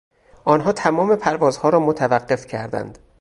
آنها تمام پروازها را متوقف کردند.